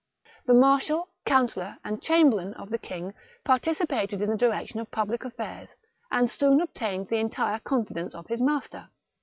The marshal, councillor, and chamberlain of the king participated in the direction of public aflfairs, and soon obtained the entire confidence of his master.